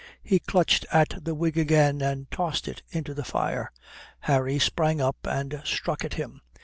He clutched at the wig again and tossed it into the fire. Harry sprang up and struck at him.